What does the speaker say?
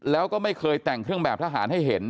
แล้วก็ไม่เคยแต่งเครื่องแบบทหารให้เห็น